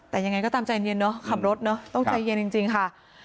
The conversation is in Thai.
แต่ยังไงก็ตามใจเย็นเนอะขับรถเนอะต้องใจเย็นจริงค่ะ